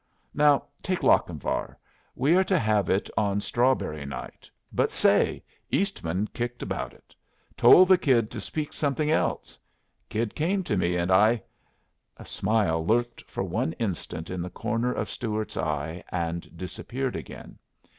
Now take 'Lochinvar.' We are to have it on strawberry night; but say! Eastman kicked about it. Told the kid to speak something else. Kid came to me, and I " A smile lurked for one instant in the corner of Stuart's eye, and disappeared again.